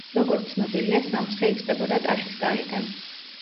როგორც ცნობილია, სამცხე იწყებოდა ტაშისკარიდან.